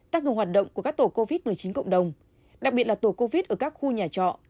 tăng cường hoạt động của các tổ covid một mươi chín cộng đồng đặc biệt là tổ covid ở các khu nhà trọ